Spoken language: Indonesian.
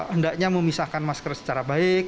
hendaknya memisahkan masker secara baik